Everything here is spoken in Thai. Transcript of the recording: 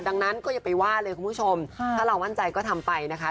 ดังนั้นก็อย่าไปว่าเลยคุณผู้ชมถ้าเรามั่นใจก็ทำไปนะคะ